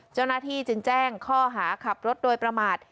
เจ้าหน้าที่จึงแจ้งข้อหาขับรถโดยประมาท